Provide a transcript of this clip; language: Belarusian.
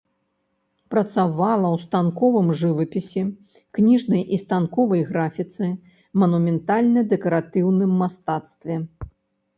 Працавала ў станковым жывапісе, кніжнай і станковай графіцы, манументальна-дэкаратыўным мастацтве.